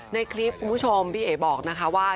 ในคลิปคุณผู้ชมพี่เอ๋บอกนะคะว่า